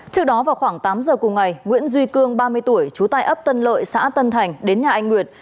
trước đó vào khoảng tám giờ cùng ngày nguyễn duy cương ba mươi tuổi trú tại ấp tân lợi xã tân thành đến nhà anh nguyệt